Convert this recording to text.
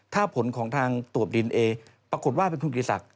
ถ้าผลของทางตรวจดีเอนเอปรากฏว่าเป็นคุณกิติศักดิ